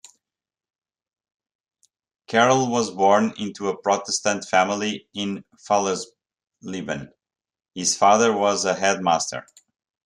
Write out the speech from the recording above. Kerrl was born into a Protestant family in Fallersleben; his father was a headmaster.